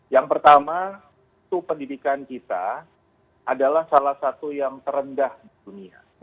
yang pertama itu pendidikan kita adalah salah satu yang terendah di dunia